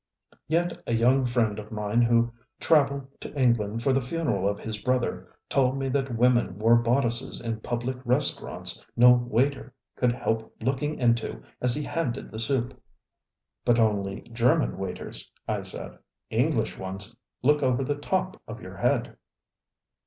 ŌĆ£Yet a young friend of mine who travelled to England for the funeral of his brother told me that women wore bodices in public restaurants no waiter could help looking into as he handed the soup. ŌĆØ ŌĆ£But only German waiters, ŌĆØ I said. ŌĆ£English ones look over the top of your head.